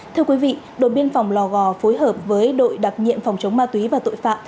thưa quý vị đội biên phòng lò gò phối hợp với đội đặc nhiệm phòng chống ma túy và tội phạm